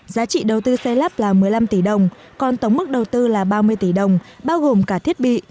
giá trị đầu tư xây lắp là một mươi năm tỷ đồng còn tổng mức đầu tư là ba mươi tỷ đồng bao gồm cả thiết bị